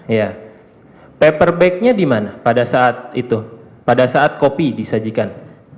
iya paper bagnya di mana pada saat itu pada saat kopi disajikan